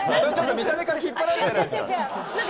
見た目から引っ張られてないですか。